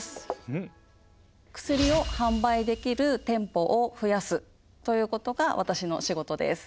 薬を販売できる店舗を増やすということが私の仕事です。